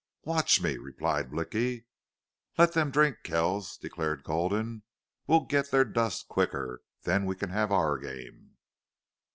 "Watch me!" replied Blicky. "Let them drink, Kells," declared Gulden. "We'll get their dust quicker. Then we can have our game."